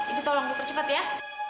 itu tolong dipercepat ya